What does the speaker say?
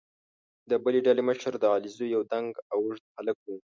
د بلې ډلې مشر د علیزو یو دنګ او اوږد هلک وو.